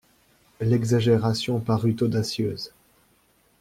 L'exagération parut audacieuse.